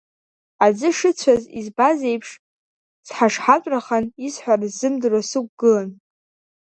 Аӡы шыцәаз избаз иеиԥш, сҳашҳатәрахан, исҳәара сзымдыруа сықәгылан.